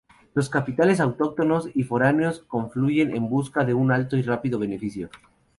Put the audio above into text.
Los capitales autóctonos y foráneos confluyen en busca de un alto y rápido beneficio.